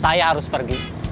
maaf saya harus pergi